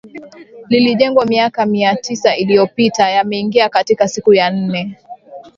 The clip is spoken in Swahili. lilijengwa miaka mia tisa iliyopita yameingia katika siku ya nne